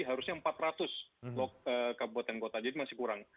harusnya empat ratus kabupaten kota jadi masih kurang